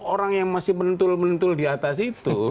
orang yang masih mentul mentul di atas itu